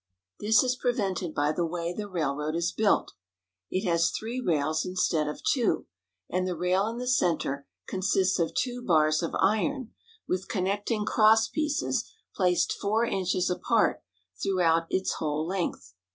This is prevented by the way the railroad is built. It has three rails instead of two, and the rail in the center consists of two bars of iron, with connecting crosspieces placed four inches apart throughout its whole length.